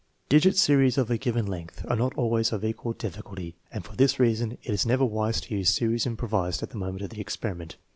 Digit series of a given length are not always of equal dif ficulty, and for this reason it is never wise to use series improvised at the moment of the experiment.